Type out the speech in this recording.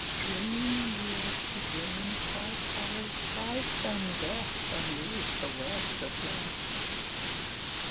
Dream yields to dream, strife follows strife, And Death unweaves the webs of Life.